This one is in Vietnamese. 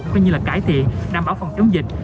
cũng như cải thiện đảm bảo phòng chống dịch